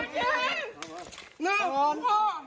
จ้อยต้องเก็มใส่ลิ้ม